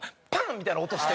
みたいな音して。